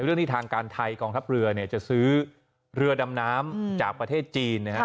เรื่องที่ทางการไทยกองทัพเรือจะซื้อเรือดำน้ำจากประเทศจีนนะครับ